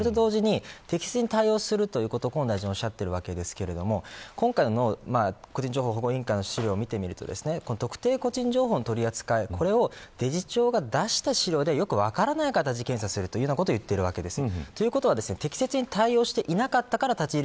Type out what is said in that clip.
それと同時に適切に対応するということをおっしゃっているわけですが今回の個人情報保護委員会の資料を見てみると特定個人情報の取り扱いこれをデジタル庁が出した設計時点でよく分からない調査をすると言っているわけです。